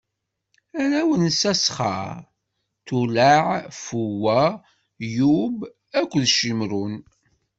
Arraw n Isasxaṛ: Tulaɛ, Fuwa, Yub akked Cimrun.